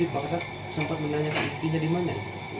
pak sakit sempat menanyakan istrinya dimana